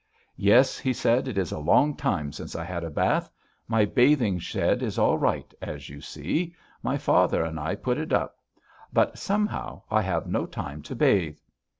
"Yes," he said, "it is a long time since I had a bath. My bathing shed is all right, as you see. My father and I put it up, but somehow I have no time to bathe."